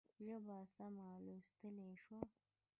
ژبه سمه ولوستلای شو.